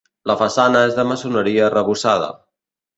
La façana és de maçoneria arrebossada.